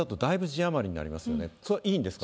それは良いんですか？